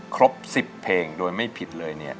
ครบ๑๐เพลงโดยไม่ผิดเลยเนี่ย